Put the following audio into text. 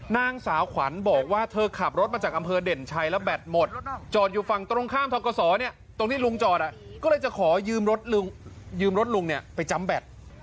นางสาวขวัญบอกว่าเธอขับรถมาจากอำเภอเด่นชัยแล้วแบตหมดจอดอยู่ฝั่งตรงข้ามทกศตรงที่ลุงจอดก็เลยจะขอยืมรถลุงเนี่ยไปจำแบต